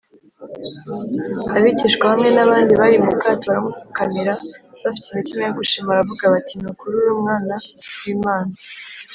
abigishwa, hamwe n’abandi bari mu bwato, baramupfukamira bafite imitima yo gushima, baravuga bati, “ni ukuri uri umwana w’imana!